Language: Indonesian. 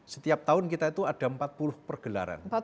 setiap tahun kita itu ada empat puluh pergelaran